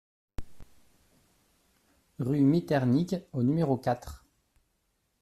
Rue Miternique au numéro quatre